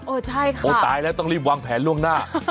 ใช่ค่ะโอ้ตายแล้วต้องรีบวางแผนล่วงหน้า